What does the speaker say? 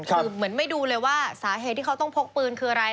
คือเหมือนไม่ดูเลยว่าสาเหตุที่เขาต้องพกปืนคืออะไร